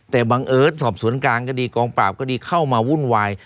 แต่บังเอิญสอบสวนกลางก็ดีกองปราบก็ดีเข้ามาวุ่นวาย